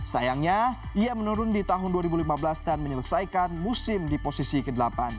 sayangnya ia menurun di tahun dua ribu lima belas dan menyelesaikan musim di posisi ke delapan